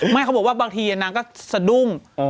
เขาบอกว่าบางทีนางก็สะดุ้ง